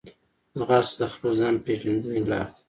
ځغاسته د خپل ځان پېژندنې لار ده